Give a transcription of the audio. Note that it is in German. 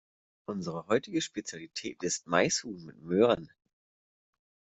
Unsere heutige Spezialität ist Maishuhn mit Möhren.